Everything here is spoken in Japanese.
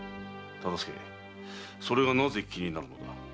忠相それがなぜ気になるのだ？